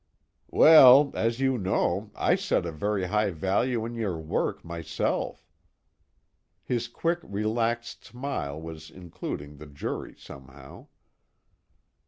_ "Well, as you know, I set a very high value on your work myself." His quick relaxed smile was including the jury somehow.